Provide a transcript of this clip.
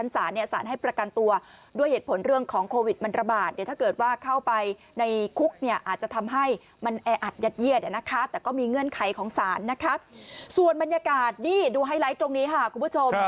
ส่วนบรรยากาศนี่ดูไฮไลท์ตรงนี้ค่ะคุณผู้ชม